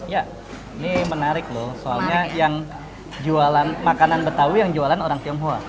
ya ini menarik loh soalnya yang jualan makanan betawi yang jualan orang tionghoa